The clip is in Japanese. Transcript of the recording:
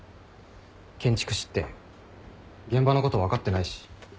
建築士って現場のこと分かってないし。